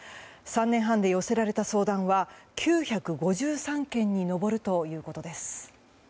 ３年半で寄せられた相談は９５３件に上るということです。